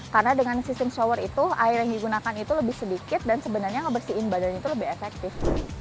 karena dengan sistem shower itu air yang digunakan itu lebih sedikit dan sebenarnya ngebersihin badan itu lebih efektif